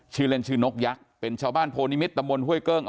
ชื่อเล่นชื่อนกยักษ์เป็นชาวบ้านโพนิมิตตำบลห้วยเกิ้ง